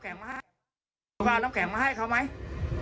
เขาก็เอาน้ำแข็งมาให้เขาไหม